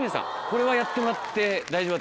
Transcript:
これはやってもらって大丈夫。